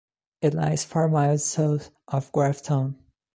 It lies four miles south of Grafton.